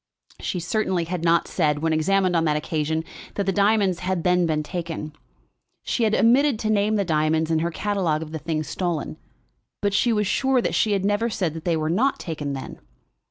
She certainly had not said, when examined on that occasion, that the diamonds had then been taken. She had omitted to name the diamonds in her catalogue of the things stolen; but she was sure that she had never said that they were not then taken.